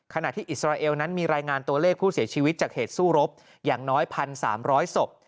ขณะที่อิสราเอลนั้นมีรายงานตัวเลขผู้เสียชีวิตจากเหตุสู้รบอย่างน้อย๑๓๐๐ศพ